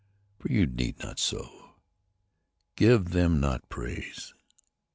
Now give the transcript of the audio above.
For you need not so. Give them not praise.